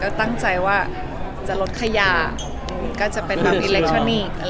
ก็ตั้งใจว่าจะลดขยาจะเป็นอีเล็กทรอนิค